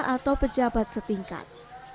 atau pejabat setingkat